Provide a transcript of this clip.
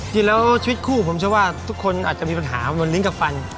ชีวิตแล้วชีวิตคู่ผมเชื่อว่าทุกคนอาจจะมีปัญหาเหมือนลิ้นกับฟัน